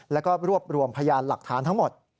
แล้วก็รวบรวมพยานหลักฐานทั้งหมด